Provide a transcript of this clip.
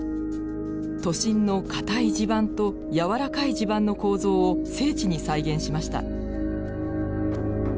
都心のかたい地盤とやわらかい地盤の構造を精緻に再現しました。